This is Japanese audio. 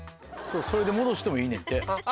それで戻してもいいねんて。